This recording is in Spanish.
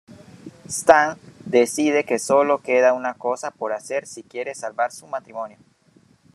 Stan decide que sólo queda una cosa por hacer si quiere salvar su matrimonio.